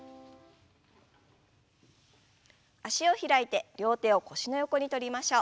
脚を開いて両手を腰の横にとりましょう。